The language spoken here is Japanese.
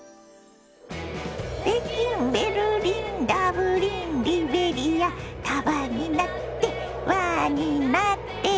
「北京ベルリンダブリンリベリア」「束になって輪になって」